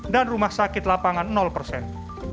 dan rumah sakit lapangan persen